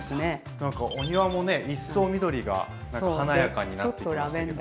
なんかお庭もね一層緑が華やかになってきましたけど。